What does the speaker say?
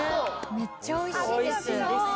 めっちゃおいしいですよ。